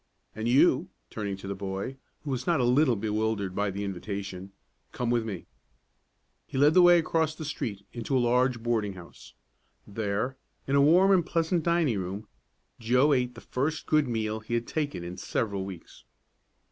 And you," turning to the boy, who was not a little bewildered by the invitation, "come with me." He led the way across the street into a large boarding house. There, in a warm and pleasant dining room, Joe ate the first good meal he had taken in several weeks.